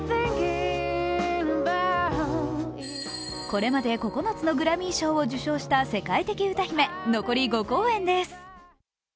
これまで９つのグラミー賞を受賞した世界的歌姫。残り５公演です。